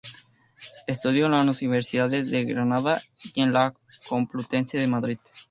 Estudió en las Universidades de Granada y en la Complutense de Madrid.